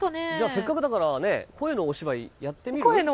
せっかくだから声のお芝居やってみる？